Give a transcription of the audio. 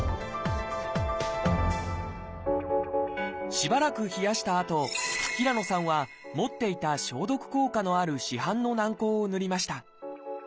しばらく冷やしたあと平野さんは持っていた消毒効果のある市販の軟こうを塗りました。